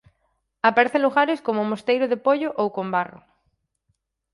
Aparecen lugares como o mosteiro de Poio ou Combarro.